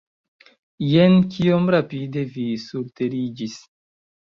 Jen, kiom rapide vi surteriĝis!